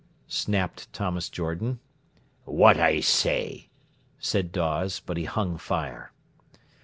snapped Thomas Jordan. "What I say," said Dawes, but he hung fire.